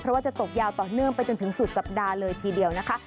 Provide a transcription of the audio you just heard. เพราะว่าจะตกยาวต่อเนื่องไปจนถึงสุดสัปดาห์เลยทีเดียวนะคะ